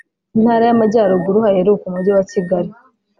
intara y’amajyaruguru haheruke umujyi wa Kigali